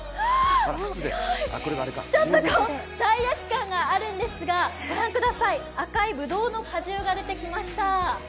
ちょっと罪悪感があるんですが、御覧ください、赤いぶどうの果汁が出てきました。